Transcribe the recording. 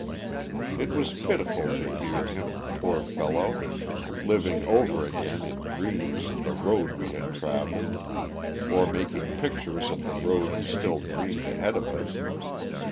It was pitiful to hear him, poor fellow living over again in dreams the road we had travelled, or making pictures of the road he still dreamed ahead of us.